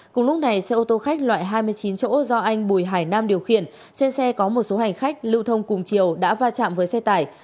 cùng lúc này xe ô tô khách loại hai mươi chín chỗ do anh bùi hải nam điều khiển trên xe có một số hành khách lưu thông cùng chiều đã va chạm với xe tải